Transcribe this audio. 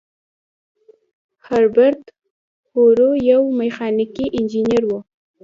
هربرت هوور یو میخانیکي انجینر و.